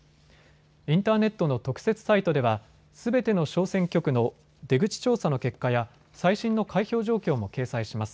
インターネットの特設サイトではすべての小選挙区の出口調査の結果や、最新の開票状況も掲載します。